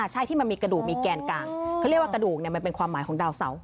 ใช่ที่มันมีกระดูกมีแกนกลางเขาเรียกว่ากระดูกมันเป็นความหมายของดาวเสา